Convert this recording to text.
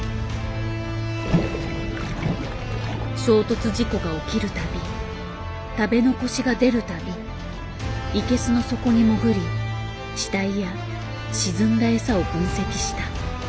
衝突事故が起きる度食べ残しが出る度イケスの底に潜り死体や沈んだ餌を分析した。